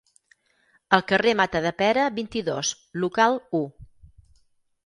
Al carrer Matadepera, vint-i-dos, local u.